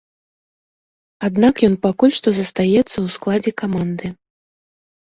Аднак ён пакуль што застаецца ў складзе каманды.